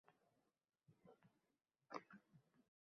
Qashqadaryo shunday isyonsiz daryo, band solinaverib shunday bo’lgan…